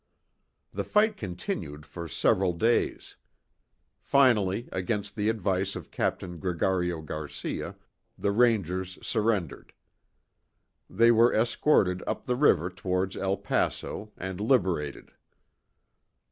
The fight continued for several days. Finally, against the advice of Captain Gregario Garcia, the Rangers surrendered. They were escorted up the river towards El Paso, and liberated.